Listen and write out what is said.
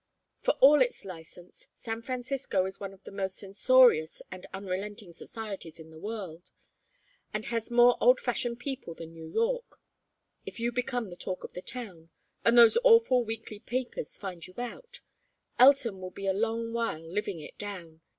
For all its license, San Francisco is one of the most censorious and unrelenting societies in the world, and has more old fashioned people than New York. If you become the talk of the town, and those awful weekly papers find you out, Elton will be a long while living it down.